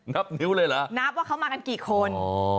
นับว่าเขามากันกี่คน